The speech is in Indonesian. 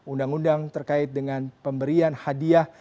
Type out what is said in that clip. undang undang terkait dengan pemberian hadiah